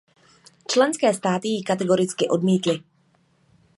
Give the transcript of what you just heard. Členské státy ji kategoricky odmítly.